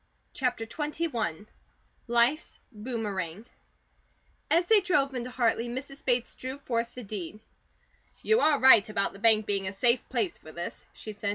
CHAPTER XXI LIFE'S BOOMERANG AS THEY drove into Hartley, Mrs. Bates drew forth the deed. "You are right about the bank being a safe place for this," she said.